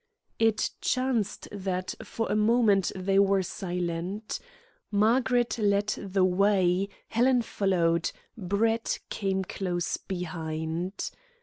It chanced that for a moment they were silent. Margaret led the way. Helen followed. Brett came close behind.